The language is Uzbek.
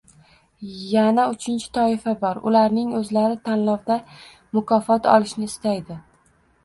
Yana uchinchi toifa bor, ularning oʻzlari tanlovda mukofot olishni istaydi.